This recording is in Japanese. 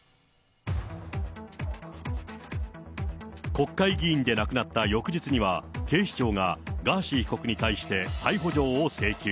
国会議員でなくなった翌日には、警視庁がガーシー被告に対して逮捕状を請求。